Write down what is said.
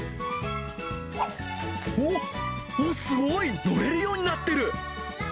おっ、すごい、乗れるようになってる。